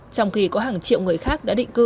trong khi có hàng triệu người khác đã định cư